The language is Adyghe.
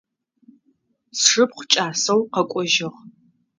Сшыпхъу кӏасэу къэкӏожьыгъ.